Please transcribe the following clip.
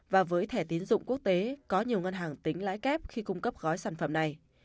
và với thẻ tín dụng quốc tế có nhiều ngân hàng tính lãi kép khi cung cấp gói sản phẩm này